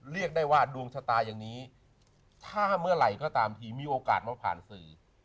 เรียกได้ว่าดวงชะตาอย่างนี้ถ้าเมื่อไหร่ก็ตามทีมีโอกาสมาผ่านสื่อ